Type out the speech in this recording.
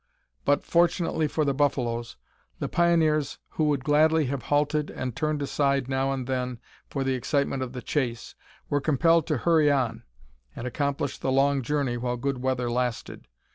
But, fortunately for the buffaloes, the pioneers who would gladly have halted and turned aside now and then for the excitement of the chase, were compelled to hurry on, and accomplish the long journey while good weather lasted.